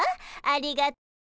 ありがとう。